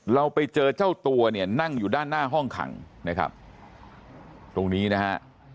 เราไปเจอเจ้าตัวเนี่ยนั่งอยู่ด้านหน้าห้องขังนะครับตรงนี้นะฮะ